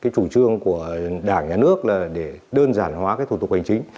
chủ trương của đảng nhà nước là để đơn giản hóa thủ tục hành chính